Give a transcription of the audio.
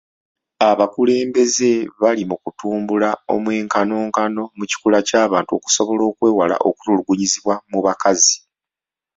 Abakulembeze bali mu kutumbula omwenkanonkano mu kikula ky'abantu okusobola okwewala okutulugunyizibwa mu bakazi.